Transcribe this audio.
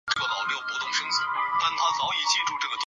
最后鲁国在战国末期被楚国所灭。